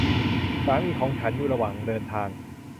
สามีของฉันอยู่ระหว่างเดินทาง